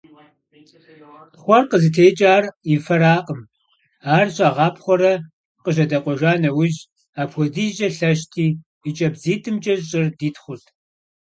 Тхъуэр къызытекӀар и фэракъым, ар щӀагъапхъуэрэ къыжьэдакъуэжа нэужь, апхуэдизкӀэ лъэщти, и кӀэбдзитӀымкӀэ щӀыр дитхъурт.